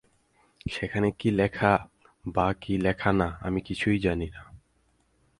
সেখানে কী লেখা বা কী লেখা না, আমি কিছুই জানি না।